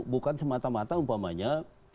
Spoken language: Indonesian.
bukan semata mata umpamanya